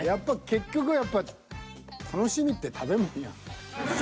結局やっぱ楽しみって食べもんやん。